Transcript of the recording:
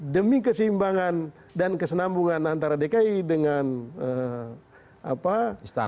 demi keseimbangan dan kesenambungan antara dki dengan istana